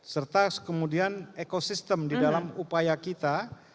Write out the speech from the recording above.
serta kemudian ekosistem di dalam upaya kita